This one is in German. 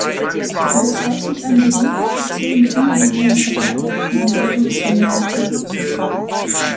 Sie bezeichnet eine besondere Fraktion der imaginären Partei, ihren revolutionären Pol.